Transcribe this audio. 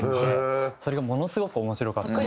それがものすごく面白かった。